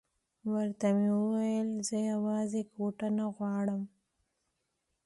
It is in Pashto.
ورته مې وویل زه یوازې کوټه نه غواړم.